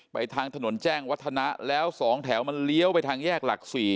ทางถนนแจ้งวัฒนะแล้ว๒แถวมันเลี้ยวไปทางแยกหลัก๔